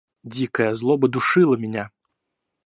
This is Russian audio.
Дикая злоба душила меня.